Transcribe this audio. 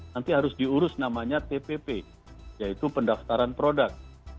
nanti harus diurus namanya tpp yaitu pendaftaran produk